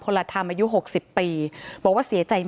เป็นวันที่๑๕ธนวาคมแต่คุณผู้ชมค่ะกลายเป็นวันที่๑๕ธนวาคม